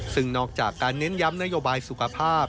ซึ่งนอกจากการเน้นย้ำนโยบายสุขภาพ